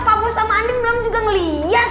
pak bos sama andin belum juga ngelihat